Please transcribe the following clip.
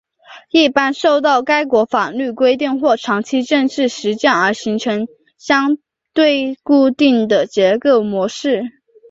一般受到该国法律规定或长期政治实践而形成相对固定的结构模式。